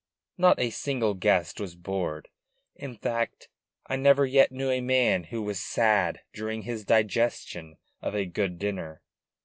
Not a single guest was bored; in fact, I never yet knew a man who was sad during his digestion of a good dinner.